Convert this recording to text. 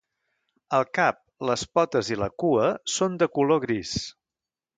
El cap, les potes i la cua són de color gris.